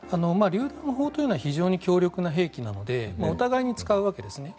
りゅう弾砲というのは非常に強力な兵器なのでお互いに使うわけですね。